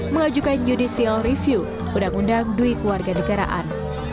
mengajukan judicial review undang undang duit keluarga negaraan